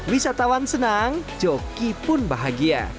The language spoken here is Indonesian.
wisatawan senang joki pun bahagia